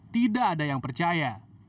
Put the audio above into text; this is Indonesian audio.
tidak ada yang percaya